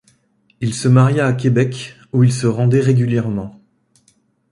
Il se maria à Québec où il se rendait régulièrement.